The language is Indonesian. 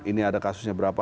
ini ada kasusnya berapa